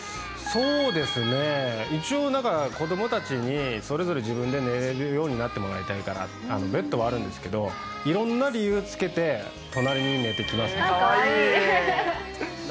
そうですね、うちはだから、子どもたちにそれぞれ自分で寝れるようになってもらいたいから、ベッドはあるんですけど、いろんな理由つけて、隣に寝てきますね。